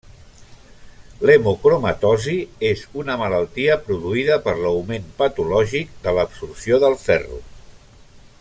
L'hemocromatosi és una malaltia produïda per l'augment patològic de l'absorció del ferro.